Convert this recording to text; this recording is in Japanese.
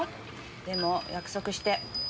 でも約束して。